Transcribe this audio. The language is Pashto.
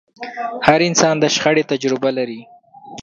هر انسان د شخړې تجربه لري.